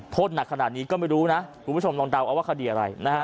โทษหนักขนาดนี้ก็ไม่รู้นะคุณผู้ชมลองเดาเอาว่าคดีอะไรนะฮะ